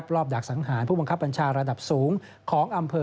ดักสังหารผู้บังคับบัญชาระดับสูงของอำเภอ